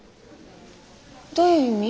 どういう意味？